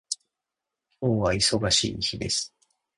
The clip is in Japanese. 今日は忙しい日です